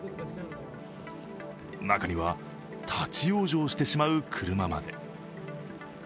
中には、立往生してしまう車まで。